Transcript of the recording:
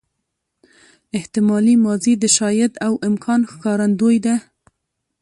احتمالي ماضي د شاید او امکان ښکارندوی ده.